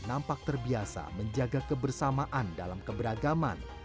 nampak terbiasa menjaga kebersamaan dalam keberagaman